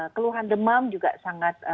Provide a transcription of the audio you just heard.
keluhan demam juga sangat